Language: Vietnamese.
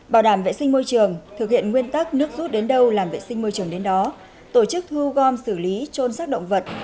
bảo đảm vệ sinh môi trường thực hiện nguyên tắc nước rút đến đâu làm vệ sinh môi trường đến đó tổ chức thu gom xử lý trôn xác động vật